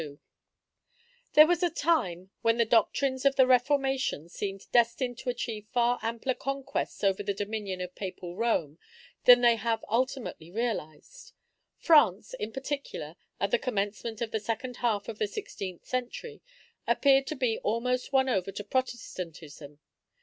[TN]] There was a time, when the doctrines of the Reformation seemed destined to achieve far ampler conquests over the dominion of Papal Rome than they have ultimately realized. France, in particular, at the commencement of the second half of the sixteenth century, appeared to be almost won over to Protestantism.